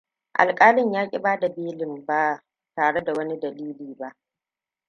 Alƙalin yaƙi bada belina ba tare da wani dalili ba.